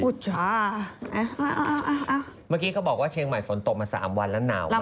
เมื่อกี้เขาบอกว่าเชียงใหม่ฝนตกมา๓วันแล้วหนาวมาก